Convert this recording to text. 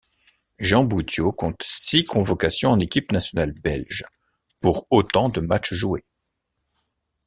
Jean Bouttiau compte six convocations en équipe nationale belge, pour autant de matches joués.